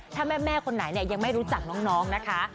ถ้าแม่คนไหนยังไม่รู้จักน้องนะคะ